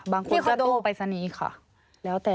บางคนจะติ้งไปซะนี้ค่ะ